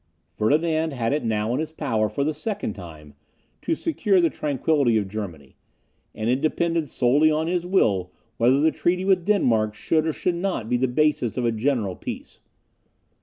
Ferdinand had it now in his power, for the second time, to secure the tranquillity of Germany; and it depended solely on his will whether the treaty with Denmark should or should not be the basis of a general peace.